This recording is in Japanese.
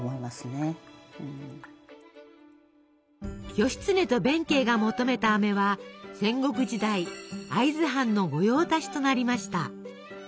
義経と弁慶が求めたあめは戦国時代会津藩の御用達となりました。